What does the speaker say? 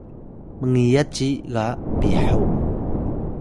mngiyat ci ga Piho